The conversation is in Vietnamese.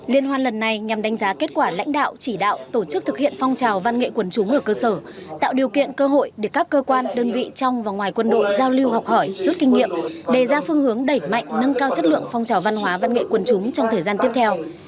liên hoan lần này nhằm đánh giá kết quả lãnh đạo chỉ đạo tổ chức thực hiện phong trào văn nghệ quần chúng ở cơ sở tạo điều kiện cơ hội để các cơ quan đơn vị trong và ngoài quân đội giao lưu học hỏi rút kinh nghiệm đề ra phương hướng đẩy mạnh nâng cao chất lượng phong trào văn hóa văn nghệ quần chúng trong thời gian tiếp theo